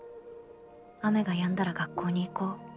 雨がやんだら学校に行こう